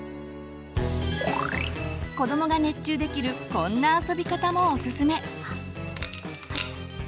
子どもが熱中できるこんな遊び方もおすすめ。